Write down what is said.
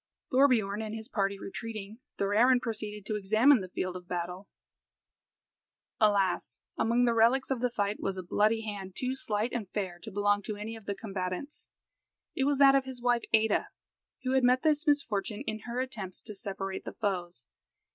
Thorbiorn and his party retreating, Thorarin proceeded to examine the field of battle. Alas! among the reliques of the fight was a bloody hand too slight and fair to belong to any of the combatants. It was that of his wife Ada, who had met this misfortune in her attempts to separate the foes.